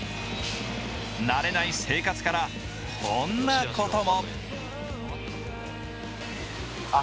慣れない生活からこんなことも。